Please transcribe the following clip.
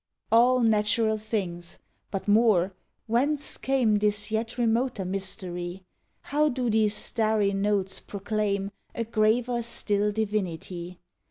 All natural things! But more—Whence came This yet remoter mystery? How do these starry notes proclaim A graver still divinity?